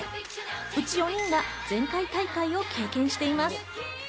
うち４人が前回大会を経験しています。